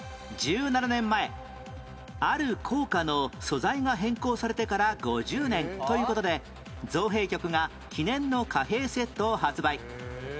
１７年前ある硬貨の素材が変更されてから５０年という事で造幣局が記念の貨幣セットを発売